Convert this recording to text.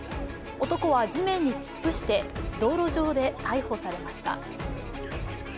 男は地面に突っ伏して道路上で逮捕されました。